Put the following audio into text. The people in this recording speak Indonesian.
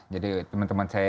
jadi teman teman saya